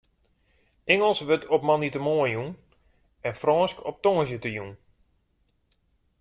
Ingelsk wurdt op moandeitemoarn jûn en Frânsk op tongersdeitejûn.